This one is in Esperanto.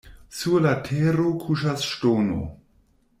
Sur la tero kuŝas ŝtono.